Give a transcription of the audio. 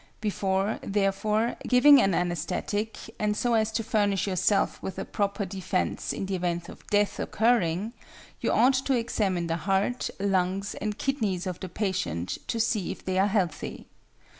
Before, therefore, giving an anæsthetic, and so as to furnish yourself with a proper defence in the event of death occurring, you ought to examine the heart, lungs, and kidneys of the patient to see if they are healthy.